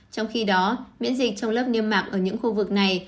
trong khi đó miễn dịch trong lớp niêm mạc ở những khu vực này